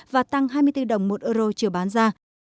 và tăng hai mươi bốn đồng một euro chiều bán ra